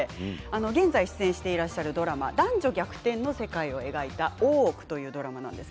現在出演していらっしゃるドラマ男女逆転の世界を描いた「大奥」というドラマです。